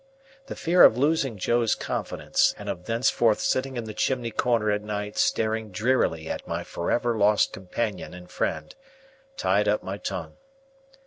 The fear of losing Joe's confidence, and of thenceforth sitting in the chimney corner at night staring drearily at my forever lost companion and friend, tied up my tongue.